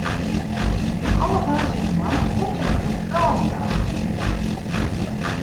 Alle woansdeitemoarnen komt dêr in groep froulju byinoar.